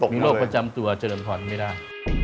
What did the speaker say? มีโรคประจำตัวเจริญพรไม่ได้